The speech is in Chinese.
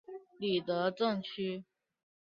里德镇区。